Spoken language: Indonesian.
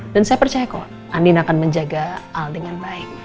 dan saya percaya kok andin akan menjaga al dengan baik